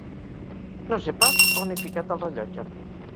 No sé pas on he ficat el rellotge.